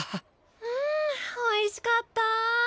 うんおいしかったぁ。